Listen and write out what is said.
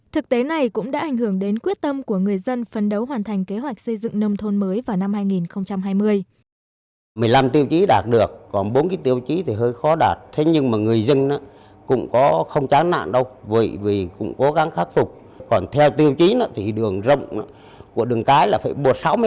thực tế này cũng đã ảnh hưởng đến quyết tâm của người dân phấn đấu hoàn thành kế hoạch xây dựng nông thôn mới vào năm hai nghìn hai mươi